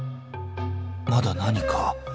［まだ何か。